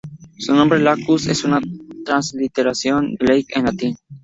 Su nombre, "Lacus", es una transliteración de "lake" en latín.